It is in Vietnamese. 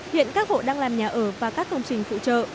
hiện các hộ đang làm nhà ở và các công trình phụ trợ